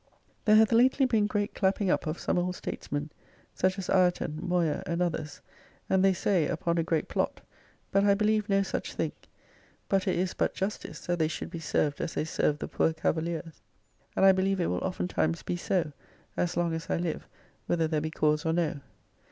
There hath lately been great clapping up of some old statesmen, such as Ireton, Moyer, and others, and they say, upon a great plot, but I believe no such thing; but it is but justice that they should be served as they served the poor Cavaliers; and I believe it will oftentimes be so as long as I live, whether there be cause or no.